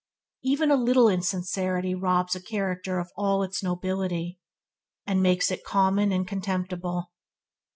Even a little insincerity robs a character of all its nobility, and makes it common and contemptible.